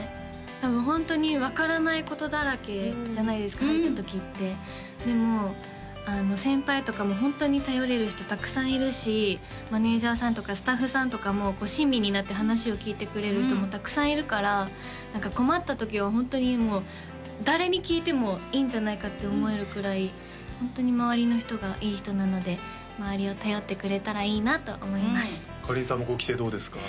多分ホントに分からないことだらけじゃないですか入ったときってでも先輩とかもホントに頼れる人たくさんいるしマネージャーさんとかスタッフさんとかも親身になって話を聞いてくれる人もたくさんいるから何か困ったときはホントにもう誰に聞いてもいいんじゃないかって思えるくらいホントに周りの人がいい人なので周りを頼ってくれたらいいなと思いますかりんさんも５期生どうですか？